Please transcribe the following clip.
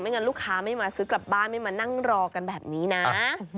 งั้นลูกค้าไม่มาซื้อกลับบ้านไม่มานั่งรอกันแบบนี้นะ